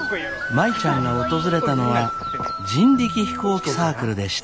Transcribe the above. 舞ちゃんが訪れたのは人力飛行機サークルでした。